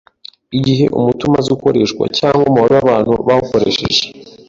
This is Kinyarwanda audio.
Igihe umuti umaze ukoreshwa cg umubare wʼabantu bawukoresheje